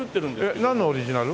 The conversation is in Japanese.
えっなんのオリジナル？